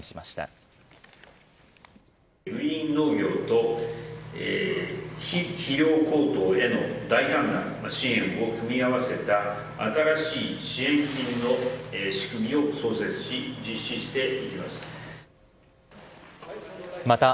グリーン農業と肥料高騰への大胆な支援を組み合わせた、新しい支援金の仕組みを創設し、実施していきます。